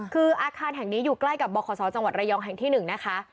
คืออาคารแห่งนี้อยู่ใกล้กับบขศจังหวัดระยองแห่งที่๑นะคะ